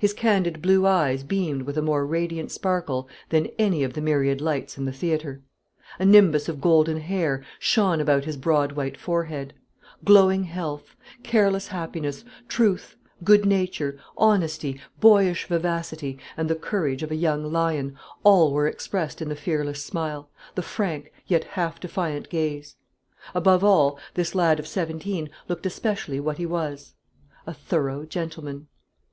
His candid blue eyes beamed with a more radiant sparkle than any of the myriad lights in the theatre; a nimbus of golden hair shone about his broad white forehead; glowing health, careless happiness, truth, good nature, honesty, boyish vivacity, and the courage of a young lion, all were expressed in the fearless smile, the frank yet half defiant gaze. Above all, this lad of seventeen looked especially what he was, a thorough gentleman.